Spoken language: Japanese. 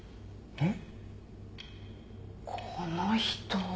えっ？